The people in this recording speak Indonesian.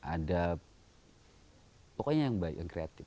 ada pokoknya yang baik yang kreatif